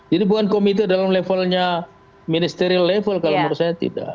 jadi bukan komite dalam levelnya ministerial level kalau menurut saya tidak